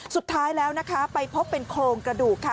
สุดท้ายแล้วนะคะไปพบเป็นโครงกระดูกค่ะ